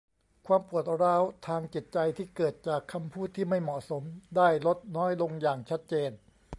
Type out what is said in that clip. ความปวดร้าวทางจิตใจที่เกิดจากคำพูดที่ไม่เหมาะสมได้ลดน้อยลงอย่างชัดเจน